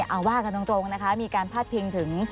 เอาว่ากันตรงนะคะมีการพาดพิงถึง